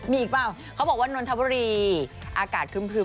มีอีกเปล่าเขาบอกว่านนทบุรีอากาศคึ้ม